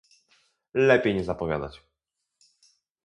"lepiej nie zapowiadać."